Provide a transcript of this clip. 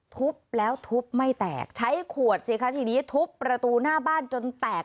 ทุบแล้วทุบไม่แตกใช้ขวดสิคะทีนี้ทุบประตูหน้าบ้านจนแตก